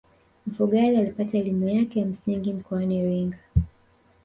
mfugale alipata elimu yake ya msingi mkoani iringa